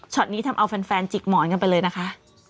ตนี้ทำเอาแฟนจิกหมอนกันไปเลยนะคะ